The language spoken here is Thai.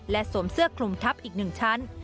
และสวมเสื้อคลุมทัพอีกหนึ่งชั้น